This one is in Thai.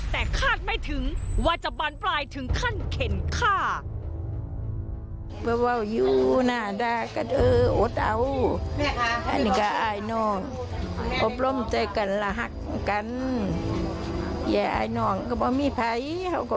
แต่คาดไม่ถึงว่าจะบานปลายถึงขั้นเข็นฆ่า